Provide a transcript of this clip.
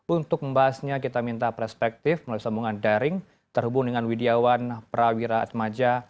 untuk membahasnya kita minta perspektif melalui sambungan daring terhubung dengan widiawan prawira atmaja